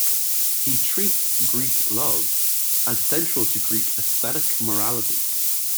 He treats "Greek love" as central to Greek "aesthetic morality.